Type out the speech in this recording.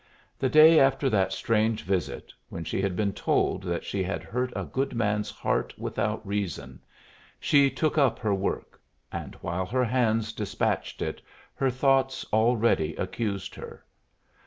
The day after that strange visit, when she had been told that she had hurt a good man's heart without reason, she took up her work; and while her hands despatched it her thoughts already accused her.